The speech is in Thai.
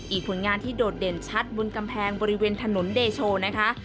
ผลงานที่โดดเด่นชัดบนกำแพงบริเวณถนนเดโชนะคะ